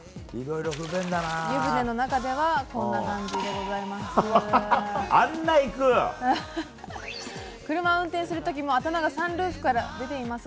湯船の中ではこんな感じでございます。